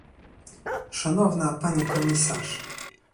Szanowna pani komisarz!